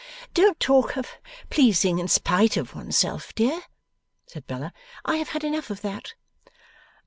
'Don't talk of pleasing in spite of one's self, dear,' said Bella. 'I have had enough of that.